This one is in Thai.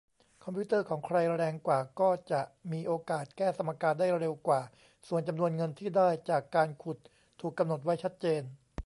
คอมพิวเตอร์ของใครแรงกว่าก็จะมีโอกาสแก้สมการได้เร็วกว่า ส่วนจำนวนเงินที่ได้จากการขุดถูกกำหนดไว้ชัดเจน